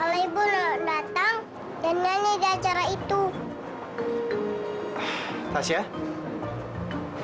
kamu sekarang ke sekolahnya tiara bantu tiara